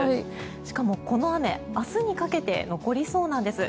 しかも、この雨明日にかけて残りそうなんです。